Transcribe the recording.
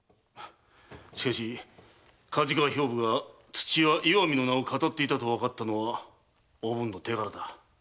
しかし梶川兵部が土屋石見の名を騙っていたとわかったのはおぶんの手柄だ。